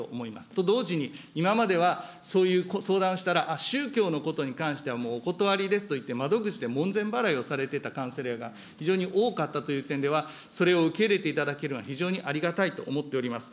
と同時に、今まではそういう、相談したら、宗教のことに関してはお断りですと言って、窓口で門前払いをされていたカウンセラーが非常に多かったという点では、それを受け入れていただけるのは、非常にありがたいと思っております。